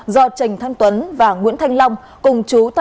do trành thanh tuấn và nguyễn thanh long cùng chú nguyễn thuấn